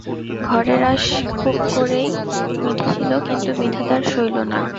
ঘরের আশ খুব করেই মিটেছিল, কিন্তু বিধাতার সইল না।